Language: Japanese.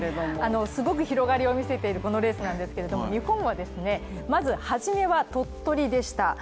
すごく広がりを見せているこのレースなんですけれども日本はまず初めは鳥取でした。